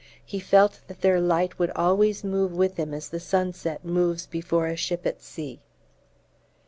He felt that their light would always move with him as the sunset moves before a ship at sea.